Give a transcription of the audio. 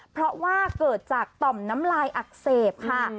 เพราะว่าเกิดจากต่อมน้ำลายอักเสบค่ะ